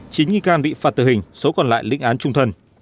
chính nghi can bị phạt tự hình số còn lại lĩnh án trung thân